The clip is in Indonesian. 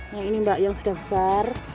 nah ini mbak yang sudah besar